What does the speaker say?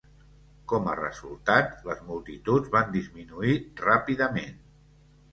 Com a resultat, les multituds van disminuir ràpidament.